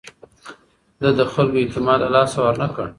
ده د خلکو اعتماد له لاسه ورنه کړ.